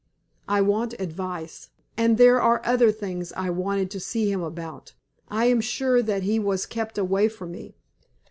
I want advice; and there are other things I wanted to see him about. I am sure that he was kept away from me."